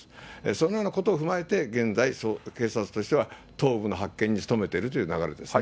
そのようなことを踏まえて、現在、警察としては、頭部の発見に努めているという流れですね。